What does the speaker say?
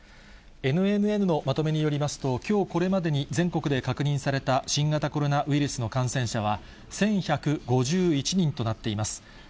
ＮＮＮのまとめによりますと、きょうこれまでに全国で確認された新型コロナウイルスの感染者は、１１５１人となっています。